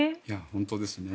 本当ですね。